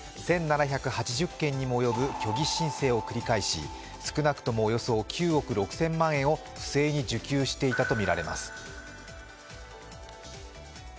１７８０件にもおよぶ虚偽申請を繰り返し少なくともおよそ９億６０００万円を不正に受給していたとみられます。